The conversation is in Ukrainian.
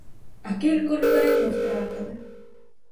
А кілько людей ми втратили!